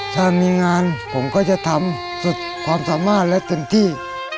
ถ้ามีงานผมก็จะทำสุดความสามารถและเต็มที่